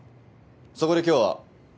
そこで今日は。